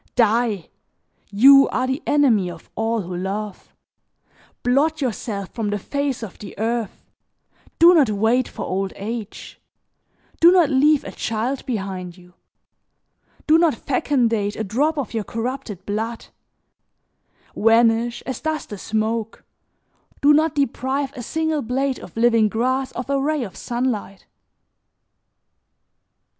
Die! You are the enemy of all, who love; blot yourself from the face of the earth, do not wait for old age; do not leave a child behind you, do not fecundate a drop of your corrupted blood; vanish as does the smoke, do not deprive a single blade of living grass of a ray of sunlight!'"